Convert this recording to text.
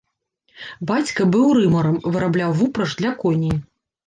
Бацька быў рымарам, вырабляў вупраж для коней.